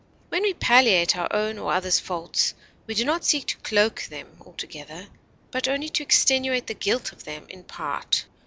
"When we palliate our own or others' faults we do not seek to cloke them altogether, but only to extenuate the guilt of them in part."